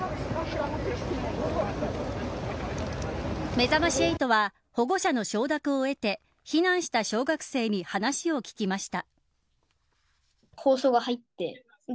めざまし８は保護者の承諾を得て避難した小学生に話を聞きました。